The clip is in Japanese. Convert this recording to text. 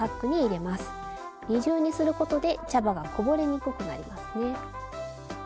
二重にすることで茶葉がこぼれにくくなりますね。